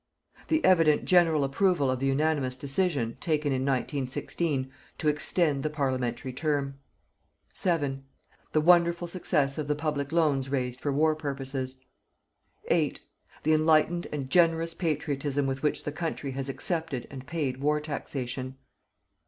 The evident general approval of the unanimous decision, taken in 1916, to extend the Parliamentary term. 7. The wonderful success of the public loans raised for war purposes. 8. The enlightened and generous patriotism with which the country has accepted and paid war taxation.